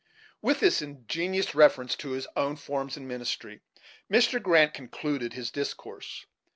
With this ingenious reference to his own forms and ministry, Mr. Grant concluded his discourse.